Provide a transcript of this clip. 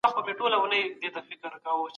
د کلتور غوړېدا به په پرله پسې ډول روانه وي.